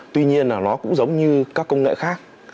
tuy nhiên là nó cũng giống như các công nghệ khác